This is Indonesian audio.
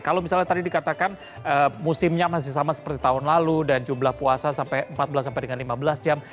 kalau misalnya tadi dikatakan musimnya masih sama seperti tahun lalu dan jumlah puasa sampai empat belas sampai dengan lima belas jam